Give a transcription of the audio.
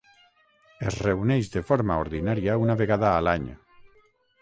Es reuneix de forma ordinària una vegada a l'any.